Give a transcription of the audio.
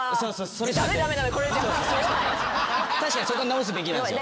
確かにそこは直すべきなんすよ。